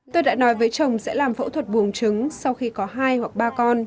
tôi đã nói với chồng sẽ làm phẫu thuật buồng trứng sau khi có hai hoặc ba con